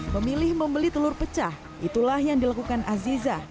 memilih membeli telur pecah itulah yang dilakukan aziza